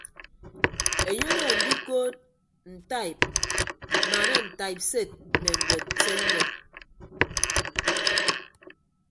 Enye odo andikood ntaib mmaana ntaibsed mme ñwed se ñwed.